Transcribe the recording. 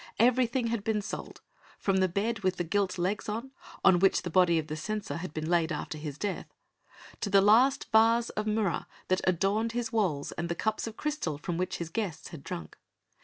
Everything had been sold, from the bed with the gilt legs on which the body of the censor had been laid after his death, to the last vase of murra that adorned his walls and the cups of crystal from which his guests had drunk.